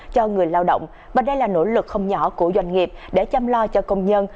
cho người lao động và đây là nỗ lực không nhỏ của doanh nghiệp để chăm lo cho công nhân